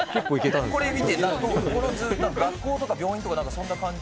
これ見て、この図見て学校とか病院とかなんかそんな感じ。